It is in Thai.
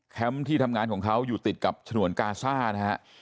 ที่ทำงานของเขาอยู่ติดกับฉนวนกาซ่านะฮะ